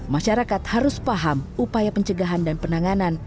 masyarakat harus paham upaya pencegahan dan penanganan